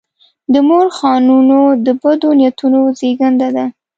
د مورخانو د بدو نیتونو زېږنده ده.